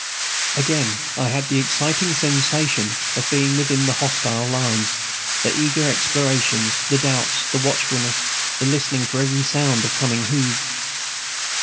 Again I had the exciting sensation of being within the hostile lines, the eager explorations, the doubts, the watchfulness, the listening for every sound of coming hoofs.